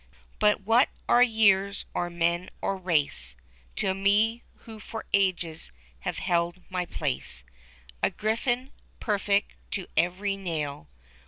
But what are years, or men, or race To me, who for ages have held my place — A Griflin, perfect to every nail.